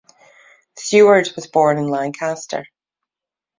Seward was born in Lancaster.